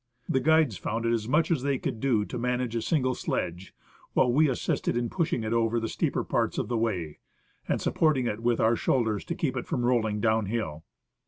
The guides found it as much as they could do to manage a single sledge, while we assisted in pushing it over the steeper parts of the way, and sup porting it with our shoulders to keep it from rolling downhill.